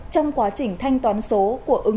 trong quá trình thanh toán số của ứng dụng